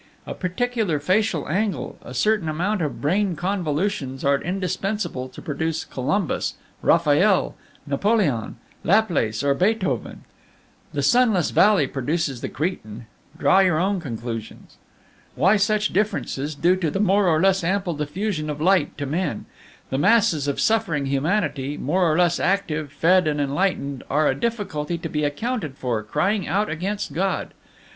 A particular facial angle, a certain amount of brain convolutions, are indispensable to produce Columbus, Raphael, Napoleon, Laplace, or Beethoven; the sunless valley produces the cretin draw your own conclusions. Why such differences, due to the more or less ample diffusion of light to men? The masses of suffering humanity, more or less active, fed, and enlightened, are a difficulty to be accounted for, crying out against God.